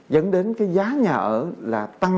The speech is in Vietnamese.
dẫn đến cái giá nhà ở là tăng một mươi năm hai mươi